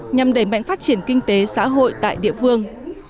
nhằm đẩy mạnh phát triển kinh tế xã hội tại địa phương